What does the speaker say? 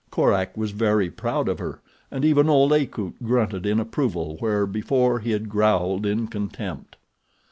Korak was very proud of her, and even old Akut grunted in approval where before he had growled in contempt.